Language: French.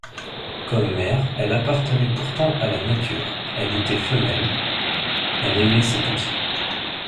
Comme mère, elle appartenait pourtant à la nature, elle était femelle, elle aimait ses petits.